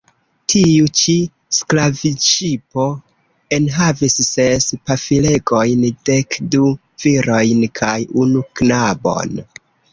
Tiu-ĉi sklavŝipo enhavis ses pafilegojn, dekdu virojn kaj unu knabon.